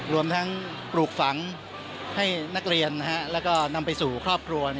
รวมทั้งปลูกฝังให้นักเรียนแล้วก็นำไปสู่ครอบครัว